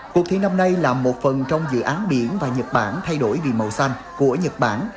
cuộc thi năm nay là một phần trong dự án biển và nhật bản thay đổi vì màu xanh của nhật bản